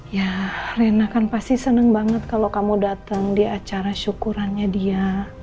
ya rena kan pasti senang banget kalau kamu datang di acara syukurannya dia